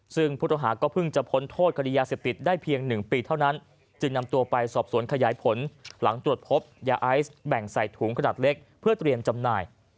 ซึ่งผู้ต้องหาก็เพิ่งจะพ้นโทษคดียาเสพติดได้เพียง๑ปีเท่านั้นจึงนำตัวไปสอบสวนขยายผลหลังตรวจพบยาไอซ์แบ่งใส่ถุงขนาดเล็กเพื่อเตรียมจำหน่าย